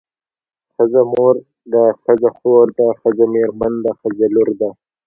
ښځه مور ده ښځه خور ده ښځه مېرمن ده ښځه لور ده.